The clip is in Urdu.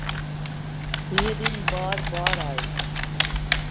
یہ دن بار بارآۓ